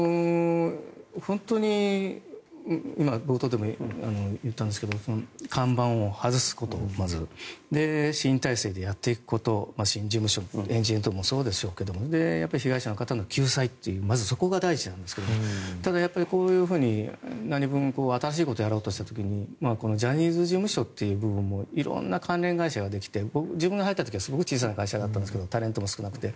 本当に今、冒頭でも言ったんですが看板を外すこと新体制でやっていくこと新事務所、エージェントもそうでしょうけども被害者の方の救済というそこが第一なんですがただ、こういうふうに何分、新しいことをやろうとした時にジャニーズ事務所という部分も色んな関連会社ができて自分が入った時はすごく小さな会社だったんですがタレントも少なくて。